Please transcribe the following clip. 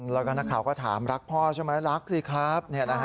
แล้วก็นักข่าวก็ถามรักพ่อใช่ไหมรักสิครับ